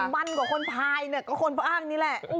มันกว่าคนพายก็คนพากนี่แหละ